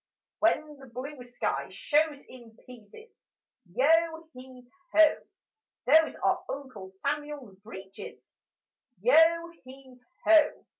When the blue sky shows in pieces, Yo heave ho! Those are Uncle Samuel's breeches: Yo heave ho!